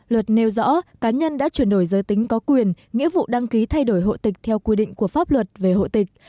luật nêu rõ cá nhân đã chuyển đổi giới tính có quyền nghĩa vụ đăng ký thay đổi hộ tịch theo quy định của pháp luật về hộ tịch